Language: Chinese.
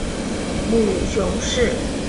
母熊氏。